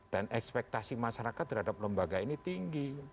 dan ekspektasi masyarakat terhadap lembaga ini tinggi